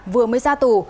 vừa mới ra tù